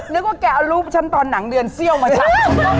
นึกว่าแกเอารูปฉันตอนหนังเดือนเซี่ยวมาทำ